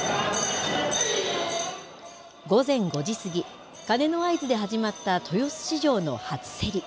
午前５時過ぎ、鐘の合図で始まった豊洲市場の初競り。